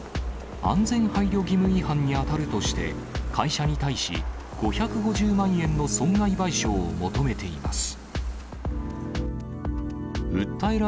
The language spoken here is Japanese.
安全配慮義務違反に当たるとして、会社に対し、５５０万円の損害賠償を求めています。